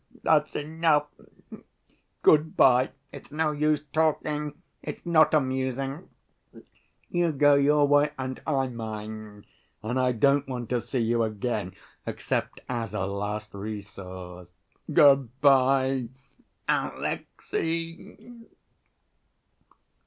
Come, that's enough. Good‐by. It's no use talking! It's not amusing. You go your way and I mine. And I don't want to see you again except as a last resource. Good‐ by, Alexey!"